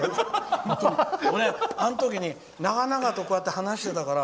俺、あの時に長々と話してたから